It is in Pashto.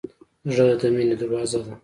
زړه د مینې دروازه ده.